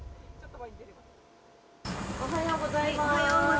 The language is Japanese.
おはようございます。